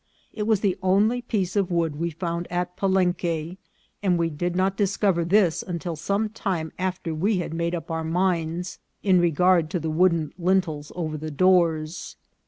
It was the only piece of wood we found at Palenque, and we did not discover this until some time after we had made up our minds in regard to the wooden lintels over the doors.